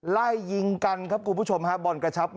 ไล่ยิงกันครับคุณผู้ชมครับ